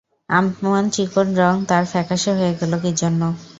অমন চিকন রঙ তার ফ্যাকাশে হয়ে গেল কী জন্যে?